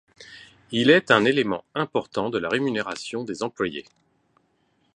Il est un élément important de la rémunération des employés.